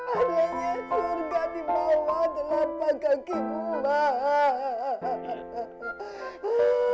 adanya surga di bawah telapak kaki mak